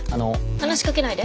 話しかけないで。